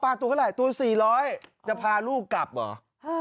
ตัวเท่าไหร่ตัว๔๐๐จะพาลูกกลับเหรอ